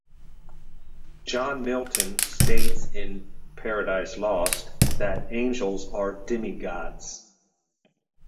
John Milton states in "Paradise Lost" that angels are demigods.